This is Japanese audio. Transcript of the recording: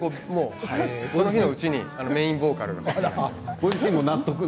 その日のうちにメインボーカル。